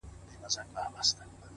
زغم د بریالیتوب پټ ځواک دی,